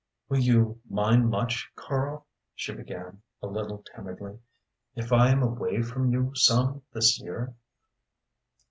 "Will you mind much, Karl," she began, a little timidly, "if I am away from you some this year?"